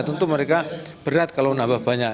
tentu mereka berat kalau nambah banyak